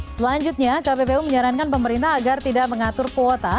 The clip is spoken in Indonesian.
selanjutnya kppu menyarankan pemerintah agar tidak mengatur kuota